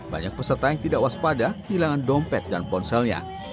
banyak peserta yang tidak waspada kehilangan dompet dan ponselnya